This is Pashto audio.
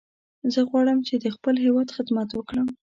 زه غواړم چې د خپل هیواد خدمت وکړم.